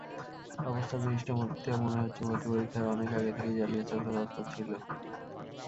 অবস্থাদৃষ্টে মনে হচ্ছে, ভর্তি পরীক্ষার অনেক আগে থেকেই জালিয়াত চক্র তৎপর ছিল।